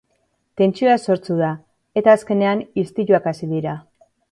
Tentsioa sortu da, eta, azkenean, istiluak hasi dira.